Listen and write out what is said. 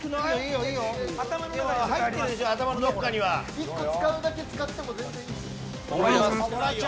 １個使うだけ使っても全然いいですよ。